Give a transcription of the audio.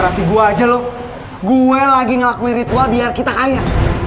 masih gua aja loh gua lagi ngelakuin ritual biar kita kaya